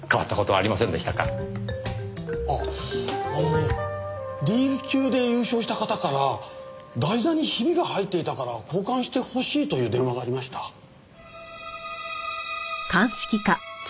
あああのＤ級で優勝した方から台座にヒビが入っていたから交換してほしいという電話がありました。